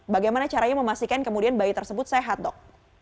bagaimana caranya memastikan kemudian bayi tersebut sehat dok